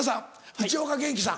市岡元気さん。